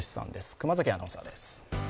熊崎アナウンサーです。